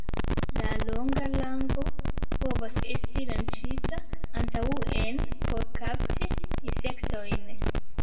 La longa lango povas esti lanĉita antaŭen por kapti insektojn.